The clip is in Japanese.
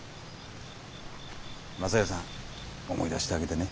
雅代さん思い出してあげでね。